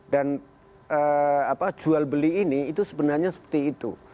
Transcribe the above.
dan jual beli ini itu sebenarnya seperti itu